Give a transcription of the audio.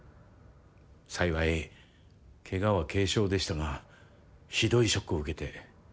幸いケガは軽傷でしたがひどいショックを受けて。